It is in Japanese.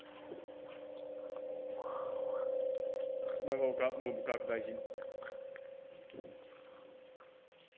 永岡文部科学大臣。